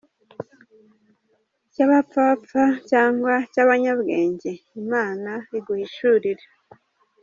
Cy’ abapfapfa cyangwa cy’abanyabwenge ?Imana iguhishurire.